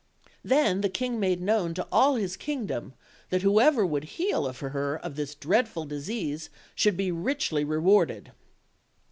Then the king made known to all his kingdom, that whoever would heal her of this dreadful disease should be richly rewarded.